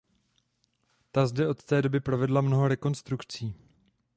Ta zde od té doby provedla mnoho rekonstrukcí.